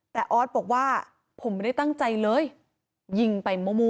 แต่ออสบอกว่าผมไม่ได้ตั้งใจเลยยิงไปมั่ว